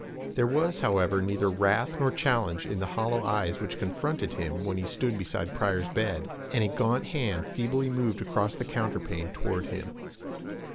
There was, however, neither wrath nor challenge in the hollow eyes which confronted him when he stood beside Pryor's bed, and a gaunt hand feebly moved across the counterpane toward him.